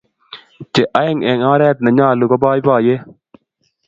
che aeng' eng oret ne nyalun ko baibaiyet